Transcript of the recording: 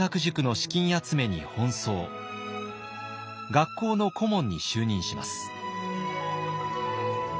学校の顧問に就任します。